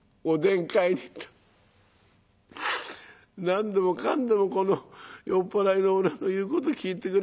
何でもかんでもこの酔っ払いの俺の言うこと聞いてくれるんだよ。